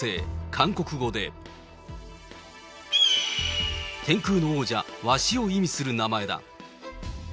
韓国語で天空の王者、ワシを意味する名前だ。